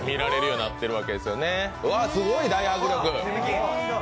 うわ、すごい大迫力。